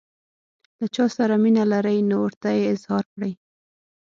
له چا سره مینه لرئ نو ورته یې اظهار کړئ.